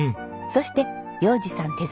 そして洋治さん